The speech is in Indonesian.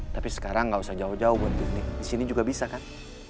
tapi sekarang gak usah jauh jauh buat piknik disini juga bisa kan